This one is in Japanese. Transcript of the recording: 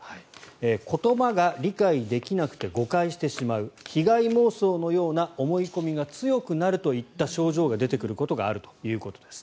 言葉が理解できなくて誤解してしまう被害妄想のような思い込みが強くなるといった症状が出てくることがあるということです。